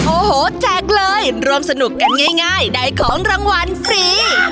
โอ้โหแจกเลยรวมสนุกกันง่ายได้ของรางวัลฟรี